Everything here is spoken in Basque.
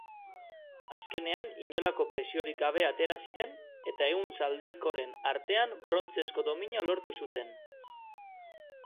Azkenean inolako presiorik gabe atera ziren, eta ehun zaldikoren artean brontzezko domina lortu zuten.